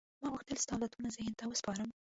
ما غوښتل ستا عادتونه ذهن ته وسپارم.